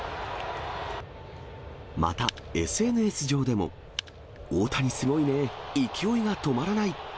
また、ＳＮＳ上でも、大谷すごいねぇ、勢いが止まらない。